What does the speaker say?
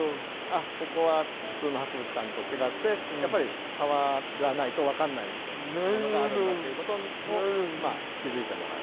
あっここは普通の博物館と違ってやっぱりさわらないと分かんないものがあるんだということを気付いてもらう。